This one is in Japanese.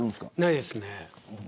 ないですね。